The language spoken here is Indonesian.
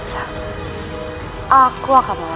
aku akan melakukan keadaannya